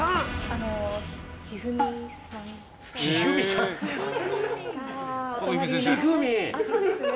あっそうですね。